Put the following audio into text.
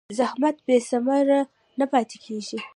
زحمت بېثمره نه پاتې کېږي.